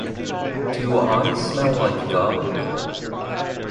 Do I still smell like garlic?